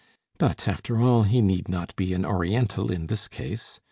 But after all, he need not be an Oriental in this case.